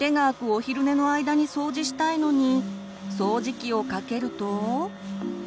お昼寝の間に掃除したいのに掃除機をかけると。